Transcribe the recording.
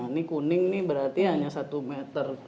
ini kuning nih berarti hanya satu meter